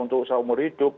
untuk seumur hidup